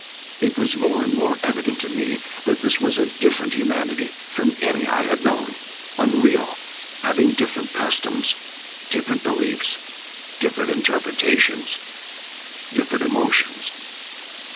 It was more and more evident to me that this was a different humanity from any I had known, unreal, having different customs, different beliefs, different interpretations, different emotions.